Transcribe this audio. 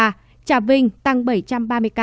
trà vinh tăng bảy trăm ba mươi ca